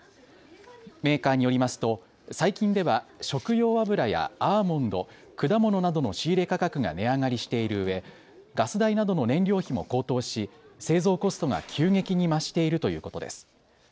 メーカーによりますと最近では食用油やアーモンド、果物などの仕入れ価格が値上がりしているうえガス代などの燃料費も高騰し製造コストが急激に増しているということです。